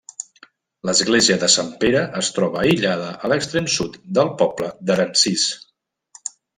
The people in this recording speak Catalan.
L'església de Sant Pere es troba aïllada a l'extrem sud del poble d'Aransís.